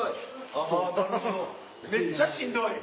あぁなるほどめっちゃしんどい。